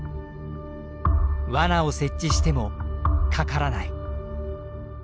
わなを設置してもかからない。